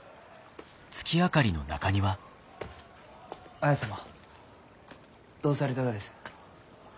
綾様どうされたがです？